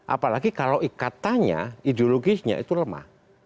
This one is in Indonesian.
apalagi kalau ikatannya ideologisnya itu lemah